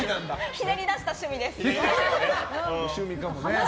ひねり出した趣味です。